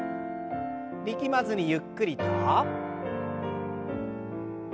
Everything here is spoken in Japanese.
力まずにゆっくりと。